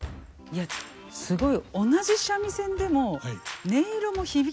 えすごい。